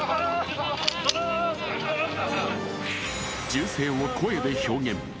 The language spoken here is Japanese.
銃声を声で表現。